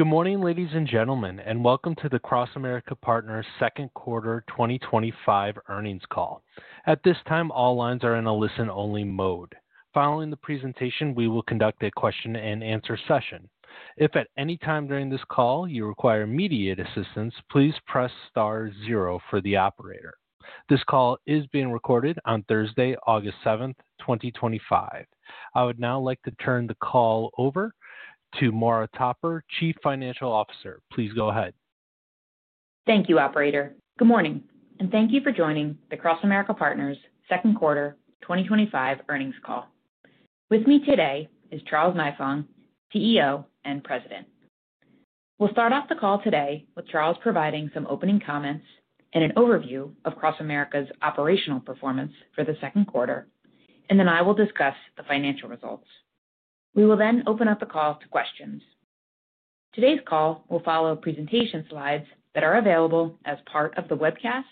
Good morning, ladies and gentlemen, and welcome to the CrossAmerica Partners Second Quarter 2025 Earnings Call. At this time, all lines are in a listen-only mode. Following the presentation, we will conduct a question-and-answer session. If at any time during this call you require immediate assistance, please press Star, zero for the operator. This call is being recorded on Thursday, August 7th, 2025. I would now like to turn the call over to Maura Topper, Chief Financial Officer. Please go ahead. Thank you, operator. Good morning, and thank you for joining the CrossAmerica Partners Second Quarter 2025 Earnings Call. With me today is Charles Nifong, CEO and President. We'll start off the call today with Charles providing some opening comments and an overview of CrossAmerica's operational performance for the second quarter, and then I will discuss the financial results. We will then open up the call to questions. Today's call will follow presentation slides that are available as part of the webcast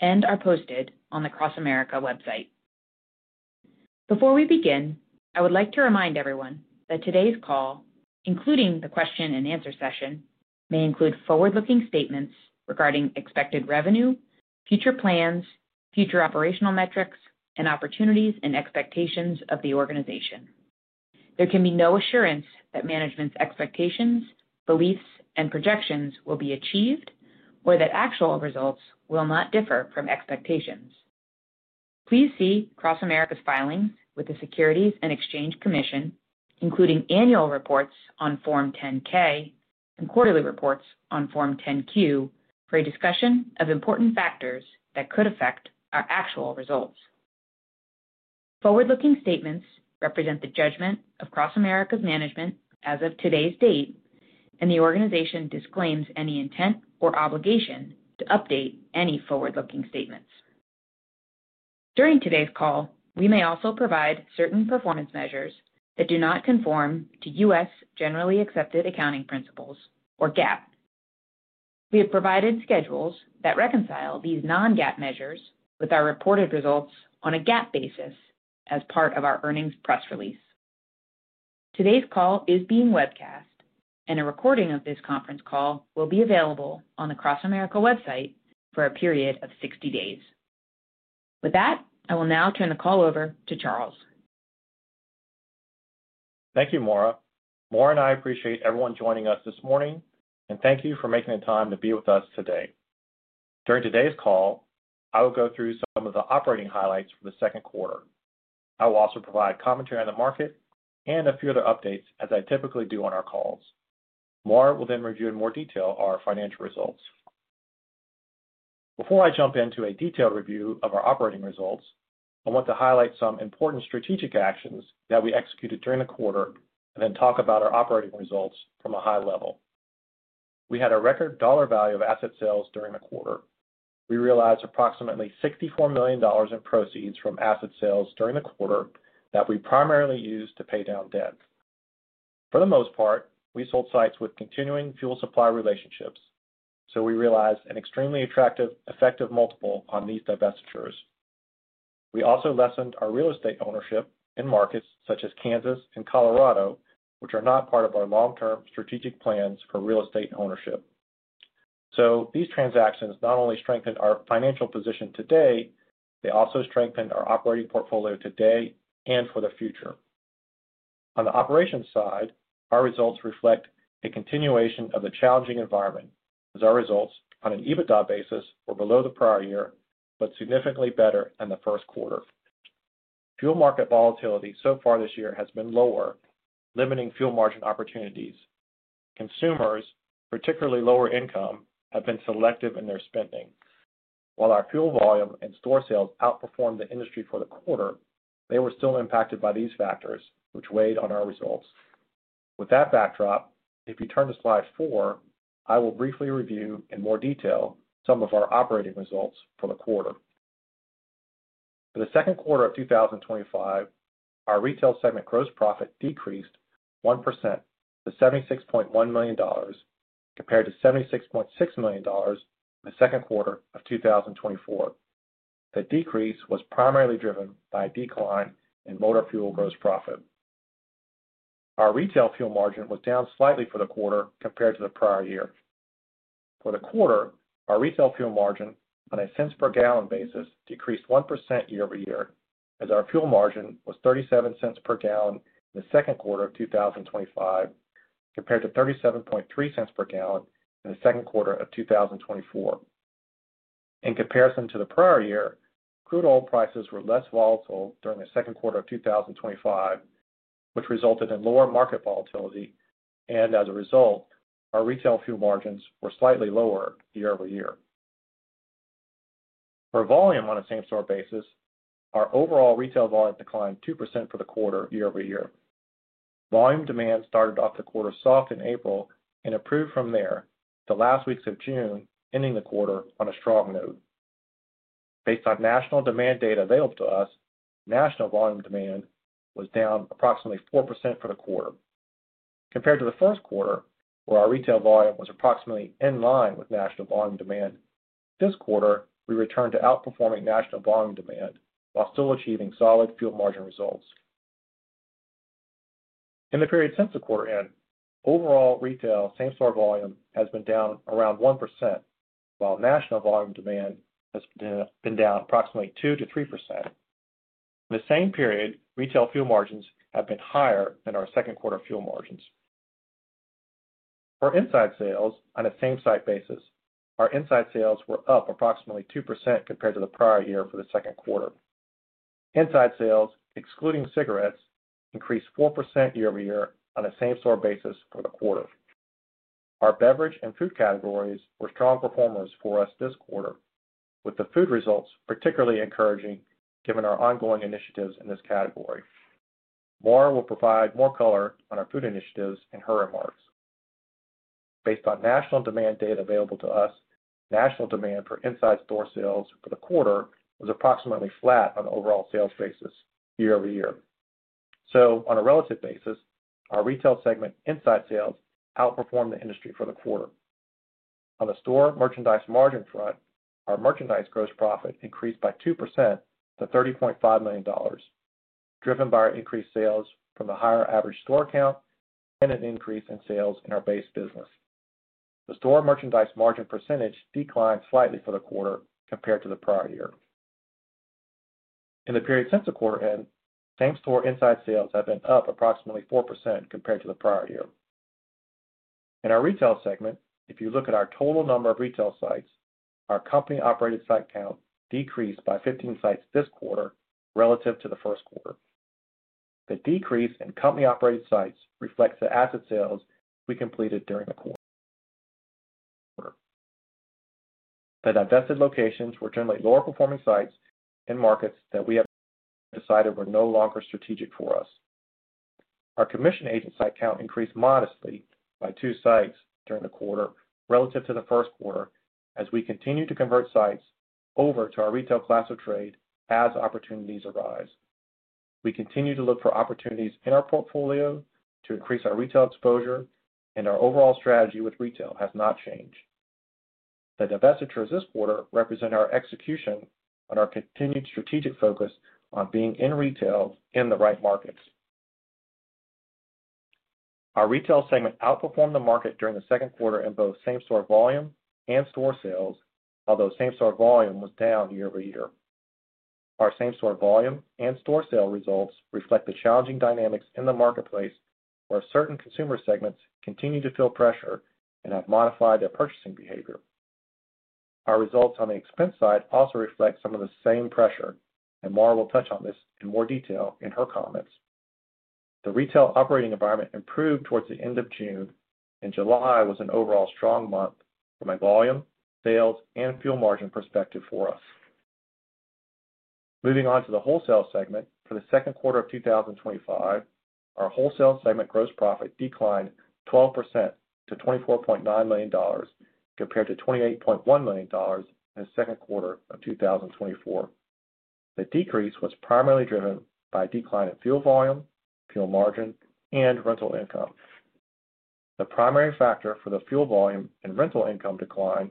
and are posted on the CrossAmerica website. Before we begin, I would like to remind everyone that today's call, including the question-and-answer session, may include forward-looking statements regarding expected revenue, future plans, future operational metrics, and opportunities and expectations of the organization. There can be no assurance that management's expectations, beliefs, and projections will be achieved, or that actual results will not differ from expectations. Please see CrossAmerica's filings with the Securities and Exchange Commission, including annual reports on Form 10-K and quarterly reports on Form 10-Q, for a discussion of important factors that could affect our actual results. Forward-looking statements represent the judgment of CrossAmerica's management as of today's date, and the organization disclaims any intent or obligation to update any forward-looking statements. During today's call, we may also provide certain performance measures that do not conform to U.S. generally accepted accounting principles, or GAAP. We have provided schedules that reconcile these non-GAAP measures with our reported results on a GAAP basis as part of our earnings press release. Today's call is being webcast, and a recording of this conference call will be available on the CrossAmerica website for a period of 60 days. With that, I will now turn the call over to Charles. Thank you, Maura. Maura and I appreciate everyone joining us this morning, and thank you for making the time to be with us today. During today's call, I will go through some of the operating highlights for the second quarter. I will also provide commentary on the market and a few other updates as I typically do on our calls. Maura will then review in more detail our financial results. Before I jump into a detailed review of our operating results, I want to highlight some important strategic actions that we executed during the quarter and then talk about our operating results from a high level. We had a record dollar value of asset sales during the quarter. We realized approximately $64 million in proceeds from asset sales during the quarter that we primarily used to pay down debt. For the most part, we sold sites with continuing fuel supply relationships, so we realized an extremely attractive, effective multiple on lease divestitures. We also lessened our real estate ownership in markets such as Kansas and Colorado, which are not part of our long-term strategic plans for real estate ownership. These transactions not only strengthened our financial position today, they also strengthened our operating portfolio today and for the future. On the operations side, our results reflect a continuation of the challenging environment, as our results on an EBITDA basis were below the prior year, but significantly better than the first quarter. Fuel market volatility so far this year has been lower, limiting fuel margin opportunities. Consumers, particularly lower income, have been selective in their spending. While our fuel volume and store sales outperformed the industry for the quarter, they were still impacted by these factors, which weighed on our results. With that backdrop, if you turn to slide four, I will briefly review in more detail some of our operating results for the quarter. For the second quarter of 2025, our retail segment gross profit decreased 1% to $76.1 million compared to $76.6 million in the second quarter of 2024. The decrease was primarily driven by a decline in motor fuel gross profit. Our retail fuel margin was down slightly for the quarter compared to the prior year. For the quarter, our retail fuel margin on a cents per gallon basis decreased 1% year-over-year, as our fuel margin was $0.37 per gallon in the second quarter of 2025 compared to $0.373 per gallon in the second quarter of 2024. In comparison to the prior year, crude oil prices were less volatile during the second quarter of 2025, which resulted in lower market volatility, and as a result, our retail fuel margins were slightly lower year-over-year. For volume on a same-store basis, our overall retail volume declined 2% for the quarter year-over-year. Volume demand started off the quarter soft in April and improved from there to the last weeks of June, ending the quarter on a strong note. Based on national demand data available to us, national volume demand was down approximately 4% for the quarter. Compared to the first quarter, where our retail volume was approximately in line with national volume demand, this quarter we returned to outperforming national volume demand while still achieving solid fuel margin results. In the period since the quarter ended, overall retail same-store volume has been down around 1%, while national volume demand has been down approximately 2%-3%. In the same period, retail fuel margins have been higher than our second quarter fuel margins. For inside sales on a same-site basis, our inside sales were up approximately 2% compared to the prior year for the second quarter. Inside sales, excluding cigarettes, increased 4% year-over-year on a same-store basis for the quarter. Our beverage and food categories were strong performers for us this quarter, with the food results particularly encouraging given our ongoing initiatives in this category. Maura will provide more color on our food initiatives in her remarks. Based on national demand data available to us, national demand for inside store sales for the quarter was approximately flat on the overall sales basis year-over-year. On a relative basis, our retail segment inside sales outperformed the industry for the quarter. On the store merchandise margin front, our merchandise gross profit increased by 2% to $30.5 million, driven by our increased sales from the higher average store count and an increase in sales in our base business. The store merchandise margin percentage declined slightly for the quarter compared to the prior year. In the period since the quarter ended, same-store inside sales have been up approximately 4% compared to the prior year. In our retail segment, if you look at our total number of retail sites, our company-operated site count decreased by 15 sites this quarter relative to the first quarter. The decrease in company-operated sites reflects the asset sales we completed during the quarter. The divested locations were generally lower performing sites in markets that we have decided were no longer strategic for us. Our commission agent site count increased modestly by two sites during the quarter relative to the first quarter as we continue to convert sites over to our retail class of trade as opportunities arise. We continue to look for opportunities in our portfolio to increase our retail exposure, and our overall strategy with retail has not changed. The divestitures this quarter represent our execution on our continued strategic focus on being in retail in the right markets. Our retail segment outperformed the market during the second quarter in both same-store volume and store sales, although same-store volume was down year over year. Our same-store volume and store sale results reflect the challenging dynamics in the marketplace where certain consumer segments continue to feel pressure and have modified their purchasing behavior. Our results on the expense side also reflect some of the same pressure, and Maura Topper will touch on this in more detail in her comments. The retail operating environment improved towards the end of June, and July was an overall strong month from a volume, sales, and fuel margin perspective for us. Moving on to the wholesale segment for the second quarter of 2025, our wholesale segment gross profit declined 12% to $24.9 million compared to $28.1 million in the second quarter of 2024. The decrease was primarily driven by a decline in fuel volume, fuel margin, and rental income. The primary factor for the fuel volume and rental income decline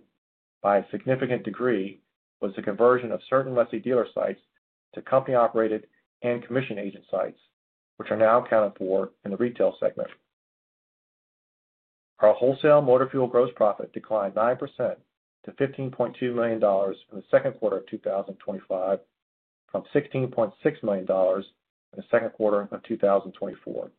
by a significant degree was the conversion of certain lessee dealer sites to company-operated and commission agent sites, which are now accounted for in the retail segment. Our wholesale motor fuel gross profit declined 9% to $15.2 million in the second quarter of 2025, from $16.6 million in the second quarter of 2024.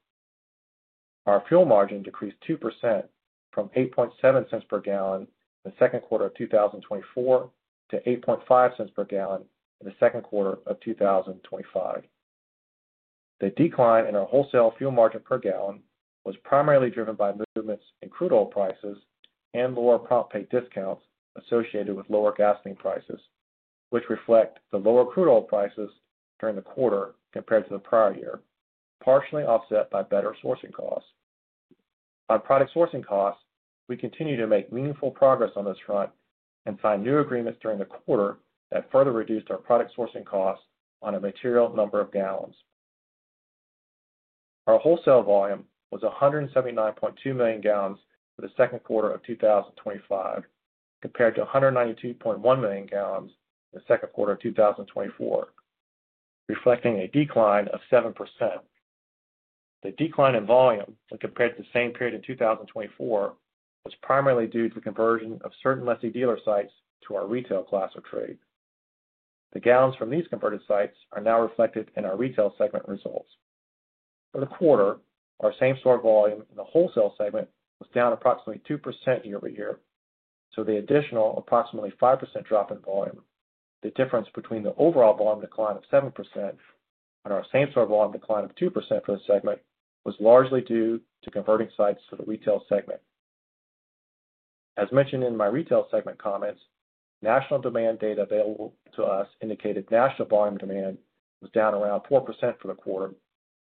Our fuel margin decreased 2% from $0.087 per gallon in the second quarter of 2024 to $0.085 per gallon in the second quarter of 2025. The decline in our wholesale fuel margin per gallon was primarily driven by movements in crude oil prices and lower prompt pay discounts associated with lower gasoline prices, which reflect the lower crude oil prices during the quarter compared to the prior year, partially offset by better sourcing costs. On product sourcing costs, we continue to make meaningful progress on this front and signed new agreements during the quarter that further reduced our product sourcing costs on a material number of gallons. Our wholesale volume was 179.2 million gal for the second quarter of 2025, compared to 192.1 million gal in the second quarter of 2024, reflecting a decline of 7%. The decline in volume when compared to the same period in 2024 was primarily due to the conversion of certain lessee dealer sites to our retail class of trade. The gallons from these converted sites are now reflected in our retail segment results. For the quarter, our same-store volume in the wholesale segment was down approximately 2% year-over-year, so the additional approximately 5% drop in volume, the difference between the overall volume decline of 7% and our same-store volume decline of 2% for the segment, was largely due to converting sites for the retail segment. As mentioned in my retail segment comments, national demand data available to us indicated national volume demand was down around 4% for the quarter,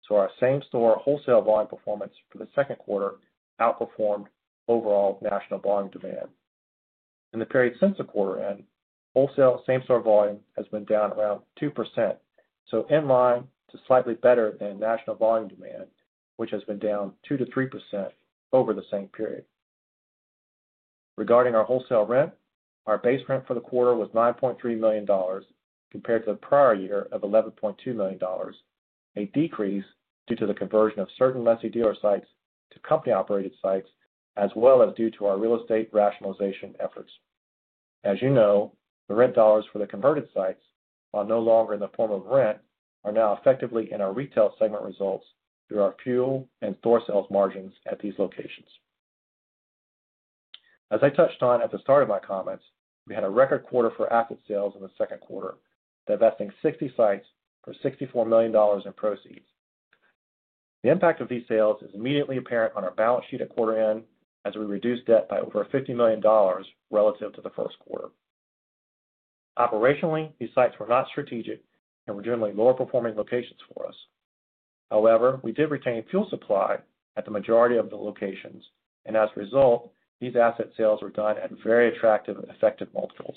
so our same-store wholesale volume performance for the second quarter outperformed overall national volume demand. In the period since the quarter ended, wholesale same-store volume has been down around 2%, so in line to slightly better than national volume demand, which has been down 2%-3% over the same period. Regarding our wholesale rent, our base rent for the quarter was $9.3 million compared to the prior year of $11.2 million, a decrease due to the conversion of certain lessee dealer sites to company-operated sites, as well as due to our real estate rationalization efforts. As you know, the rent dollars for the converted sites, while no longer in the form of rent, are now effectively in our retail segment results through our fuel and store sales margins at these locations. As I touched on at the start of my comments, we had a record quarter for asset sales in the second quarter, divesting 60 sites for $64 million in proceeds. The impact of these sales is immediately apparent on our balance sheet at quarter end, as we reduced debt by over $50 million relative to the first quarter. Operationally, these sites were not strategic and were generally lower performing locations for us. However, we did retain fuel supply at the majority of the locations, and as a result, these asset sales were done at very attractive, effective multiples.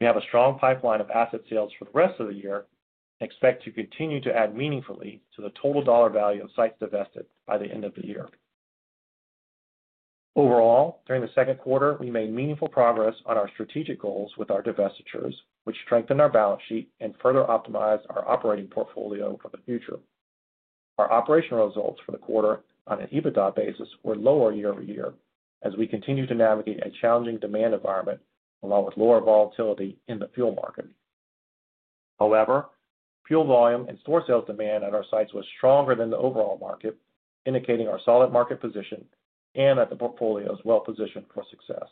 We have a strong pipeline of asset sales for the rest of the year and expect to continue to add meaningfully to the total dollar value of sites divested by the end of the year. Overall, during the second quarter, we made meaningful progress on our strategic goals with our divestitures, which strengthened our balance sheet and further optimized our operating portfolio for the future. Our operational results for the quarter on an EBITDA basis were lower year over year, as we continue to navigate a challenging demand environment along with lower volatility in the fuel market. However, fuel volume and store sales demand at our sites was stronger than the overall market, indicating our solid market position and that the portfolio is well positioned for success.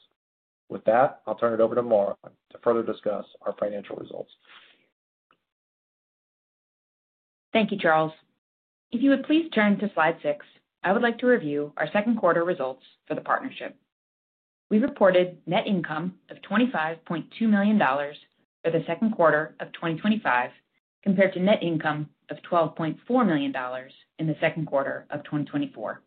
With that, I'll turn it over to Maura to further discuss our financial results. Thank you, Charles. If you would please turn to slide six, I would like to review our second quarter results for the partnership. We reported net income of $25.2 million for the second quarter of 2025 compared to net income of $12.4 million in the second quarter of 2024.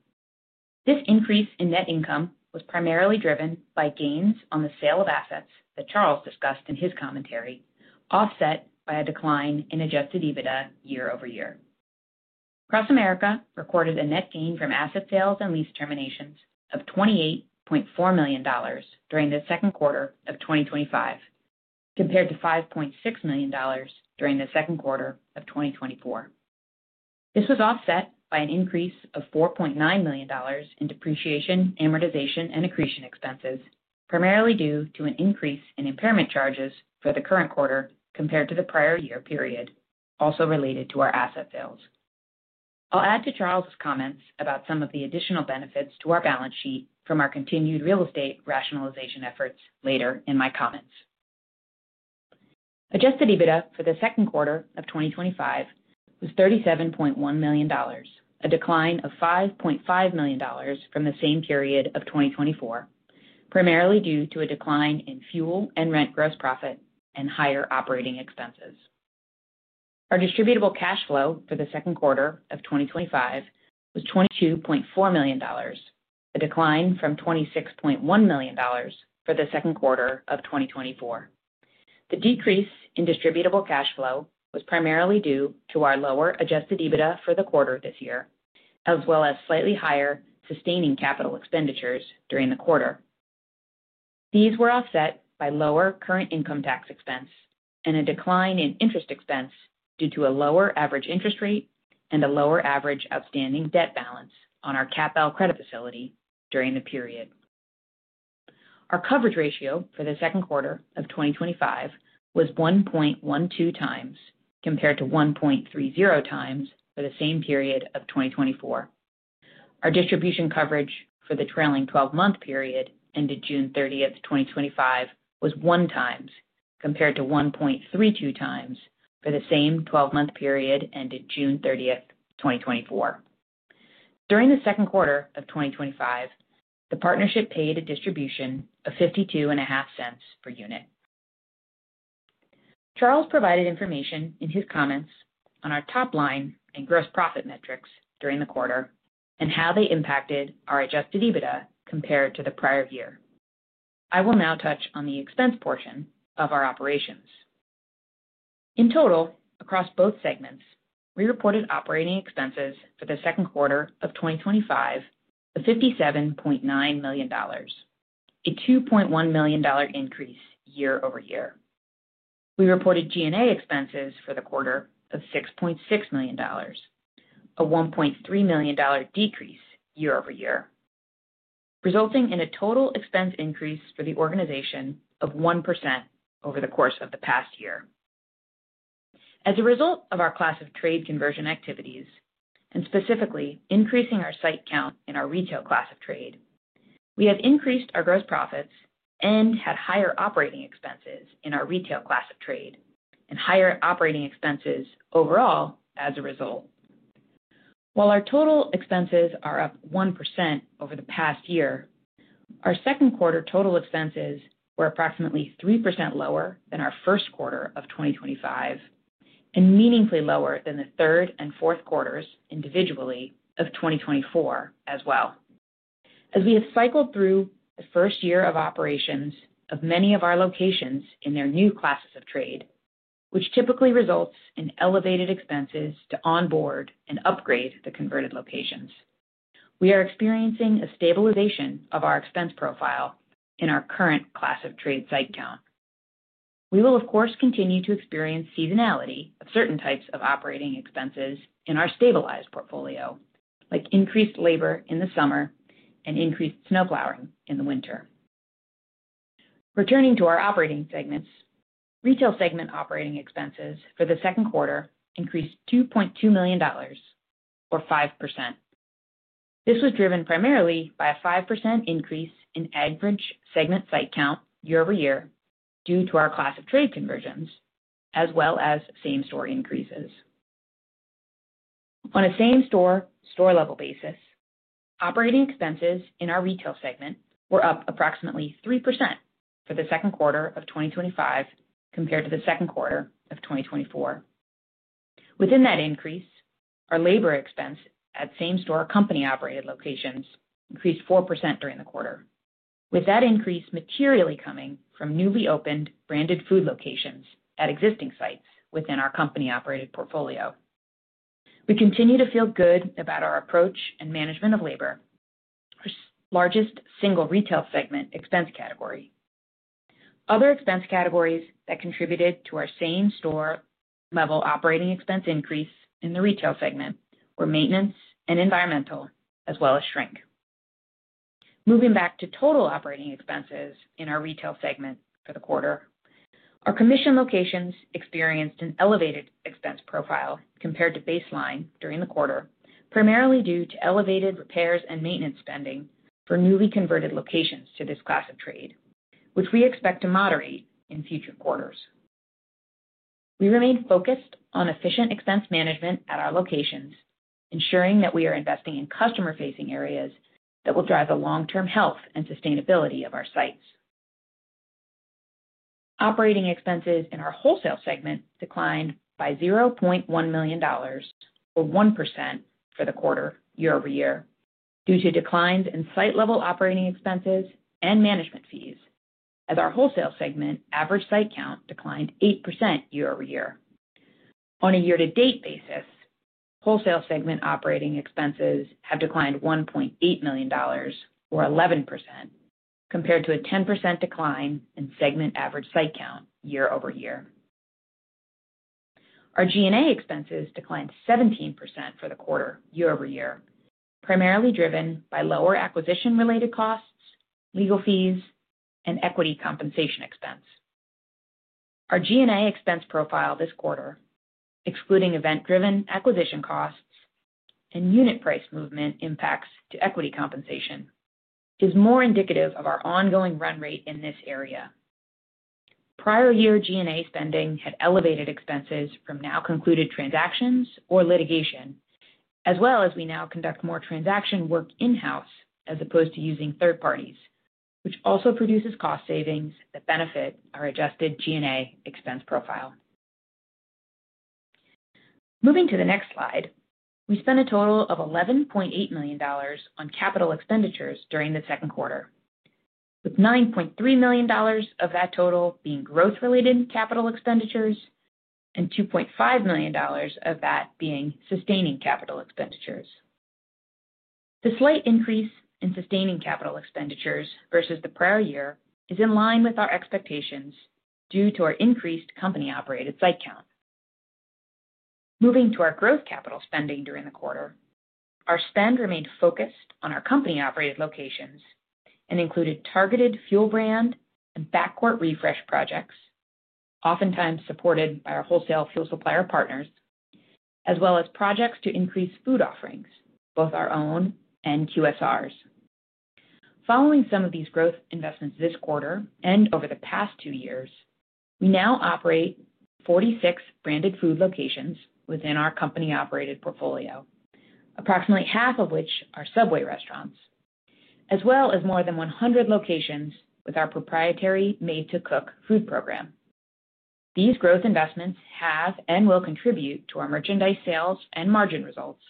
This increase in net income was primarily driven by gains on the sale of assets that Charles discussed in his commentary, offset by a decline in adjusted EBITDA year-over-year. CrossAmerica Partners recorded a net gain from asset sales and lease terminations of $28.4 million during the second quarter of 2025, compared to $5.6 million during the second quarter of 2024. This was offset by an increase of $4.9 million in depreciation, amortization, and accretion expenses, primarily due to an increase in impairment charges for the current quarter compared to the prior year period, also related to our asset sales. I'll add to Charles's comments about some of the additional benefits to our balance sheet from our continued real estate rationalization efforts later in my comments. Adjusted EBITDA for the second quarter of 2025 was $37.1 million, a decline of $5.5 million from the same period of 2024, primarily due to a decline in fuel and rent gross profit and higher operating expenses. Our distributable cash flow for the second quarter of 2025 was $22.4 million, a decline from $26.1 million for the second quarter of 2024. The decrease in distributable cash flow was primarily due to our lower adjusted EBITDA for the quarter this year, as well as slightly higher sustaining capital expenditures during the quarter. These were offset by lower current income tax expense and a decline in interest expense due to a lower average interest rate and a lower average outstanding debt balance on our CapEl credit facility during the period. Our coverage ratio for the second quarter of 2025 was 1.12 times compared to 1.30x for the same period of 2024. Our distribution coverage for the trailing 12-month period ended June 30th, 2025, was 1x compared to 1.32x for the same 12-month period ended June 30th, 2024. During the second quarter of 2025, the partnership paid a distribution of $52.50 per unit. Charles provided information in his comments on our top line and gross profit metrics during the quarter and how they impacted our adjusted EBITDA compared to the prior year. I will now touch on the expense portion of our operations. In total, across both segments, we reported operating expenses for the second quarter of 2025 of $57.9 million, a $2.1 million increase year-over-year. We reported G&A expenses for the quarter of $6.6 million, a $1.3 million decrease year-over-year, resulting in a total expense increase for the organization of 1% over the course of the past year. As a result of our class of trade conversion activities, and specifically increasing our site count in our retail class of trade, we have increased our gross profits and had higher operating expenses in our retail class of trade and higher operating expenses overall as a result. While our total expenses are up 1% over the past year, our second quarter total expenses were approximately 3% lower than our first quarter of 2025 and meaningfully lower than the third and fourth quarters individually of 2024 as well. As we have cycled through the first year of operations of many of our locations in their new classes of trade, which typically results in elevated expenses to onboard and upgrade the converted locations, we are experiencing a stabilization of our expense profile in our current class of trade site count. We will, of course, continue to experience seasonality of certain types of operating expenses in our stabilized portfolio, like increased labor in the summer and increased snow plowing in the winter. Returning to our operating segments, retail segment operating expenses for the second quarter increased $2.2 million, or 5%. This was driven primarily by a 5% increase in average segment site count year over year due to our class of trade conversions, as well as same-store increases. On a same-store, store level basis, operating expenses in our retail segment were up approximately 3% for the second quarter of 2025 compared to the second quarter of 2024. Within that increase, our labor expense at same-store company-operated locations increased 4% during the quarter, with that increase materially coming from newly opened branded food locations at existing sites within our company-operated portfolio. We continue to feel good about our approach and management of labor, our largest single retail segment expense category. Other expense categories that contributed to our same-store level operating expense increase in the retail segment were maintenance and environmental, as well as shrink. Moving back to total operating expenses in our retail segment for the quarter, our commission locations experienced an elevated expense profile compared to baseline during the quarter, primarily due to elevated repairs and maintenance spending for newly converted locations to this class of trade, which we expect to moderate in future quarters. We remain focused on efficient expense management at our locations, ensuring that we are investing in customer-facing areas that will drive the long-term health and sustainability of our sites. Operating expenses in our wholesale segment declined by $0.1 million, or 1% for the quarter year over year due to declines in site-level operating expenses and management fees, as our wholesale segment average site count declined 8% year-over-year. On a year-to-date basis, wholesale segment operating expenses have declined $1.8 million, or 11%, compared to a 10% decline in segment average site count year-over-year. Our G&A expenses declined 17% for the quarter year-over-year, primarily driven by lower acquisition-related costs, legal fees, and equity compensation expense. Our G&A expense profile this quarter, excluding event-driven acquisition costs and unit price movement impacts to equity compensation, is more indicative of our ongoing run rate in this area. Prior year G&A spending had elevated expenses from now concluded transactions or litigation, as well as we now conduct more transaction work in-house as opposed to using third parties, which also produces cost savings that benefit our adjusted G&A expense profile. Moving to the next slide, we spent a total of $11.8 million on capital expenditures during the second quarter, with $9.3 million of that total being growth-related capital expenditures and $2.5 million of that being sustaining capital expenditures. The slight increase in sustaining capital expenditures versus the prior year is in line with our expectations due to our increased company-operated site count. Moving to our growth capital spending during the quarter, our spend remained focused on our company-operated locations and included targeted fuel brand and backcourt refresh projects, oftentimes supported by our wholesale fuel supplier partners, as well as projects to increase food offerings, both our own and QSRs. Following some of these growth investments this quarter and over the past two years, we now operate 46 branded food locations within our company-operated portfolio, approximately half of which are subway restaurants, as well as more than 100 locations with our proprietary made-to-cook food program. These growth investments have and will contribute to our merchandise sales and margin results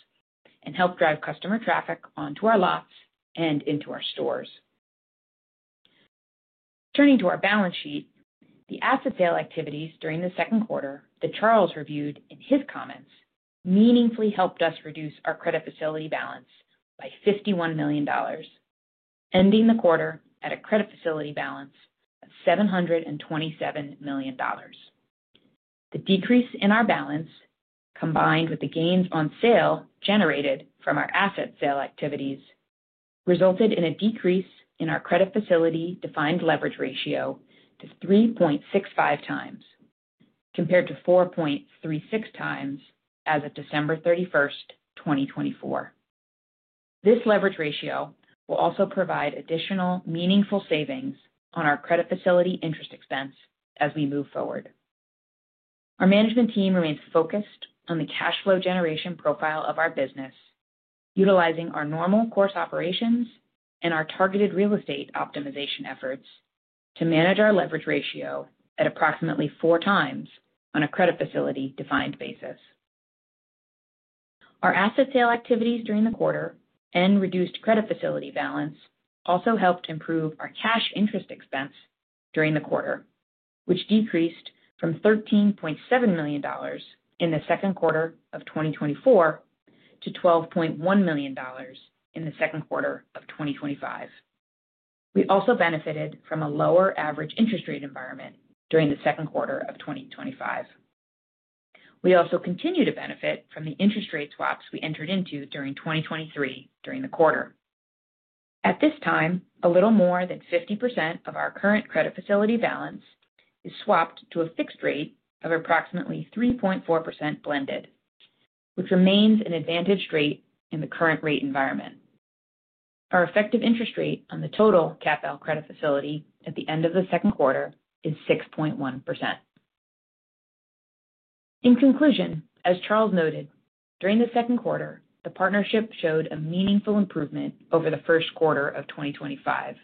and help drive customer traffic onto our lots and into our stores. Turning to our balance sheet, the asset sale activities during the second quarter that Charles reviewed in his comments meaningfully helped us reduce our credit facility balance by $51 million, ending the quarter at a credit facility balance of $727 million. The decrease in our balance, combined with the gains on sale generated from our asset sale activities, resulted in a decrease in our credit facility defined leverage ratio to 3.65x compared to 4.36x as of December 31st, 2024. This leverage ratio will also provide additional meaningful savings on our credit facility interest expense as we move forward. Our management team remains focused on the cash flow generation profile of our business, utilizing our normal course operations and our targeted real estate optimization efforts to manage our leverage ratio at approximately 4x on a credit facility defined basis. Our asset sale activities during the quarter and reduced credit facility balance also helped improve our cash interest expense during the quarter, which decreased from $13.7 million in the second quarter of 2024 to $12.1 million in the second quarter of 2025. We also benefited from a lower average interest rate environment during the second quarter of 2025. We also continue to benefit from the interest rate swaps we entered into during 2023 during the quarter. At this time, a little more than 50% of our current credit facility balance is swapped to a fixed rate of approximately 3.4% blended, which remains an advantaged rate in the current rate environment. Our effective interest rate on the total CapEl credit facility at the end of the second quarter is 6.1%. In conclusion, as Charles noted, during the second quarter, the partnership showed a meaningful improvement over the first quarter of 2025,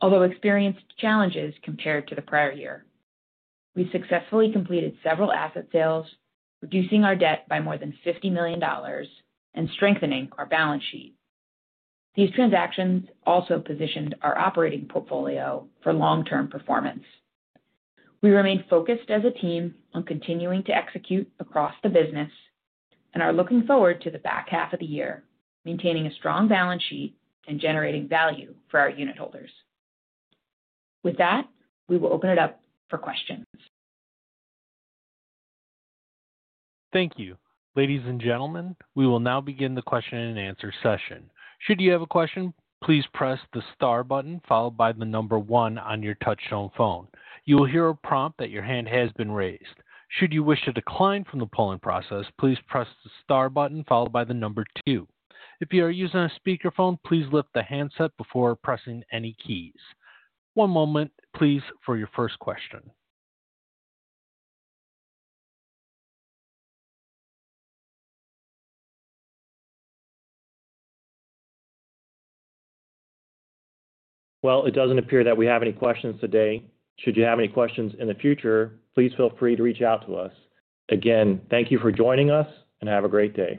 although experienced challenges compared to the prior year. We successfully completed several asset sales, reducing our debt by more than $50 million and strengthening our balance sheet. These transactions also positioned our operating portfolio for long-term performance. We remain focused as a team on continuing to execute across the business and are looking forward to the back half of the year, maintaining a strong balance sheet and generating value for our unitholders. With that, we will open it up for questions. Thank you, ladies and gentlemen. We will now begin the question-and-answer session. Should you have a question, please press the Star button followed by the number one on your touch-tone phone. You will hear a prompt that your hand has been raised. Should you wish to decline from the polling process, please press the star button followed by the number two. If you are using a speaker phone, please lift the handset before pressing any keys. One moment, please, for your first question. It doesn't appear that we have any questions today. Should you have any questions in the future, please feel free to reach out to us. Again, thank you for joining us and have a great day.